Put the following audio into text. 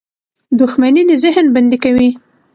• دښمني د ذهن بندي کوي.